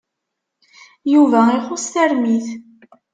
Yuba ixuṣ tarmit.